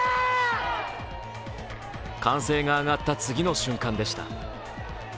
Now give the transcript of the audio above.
歓声が上がった次の瞬間でした。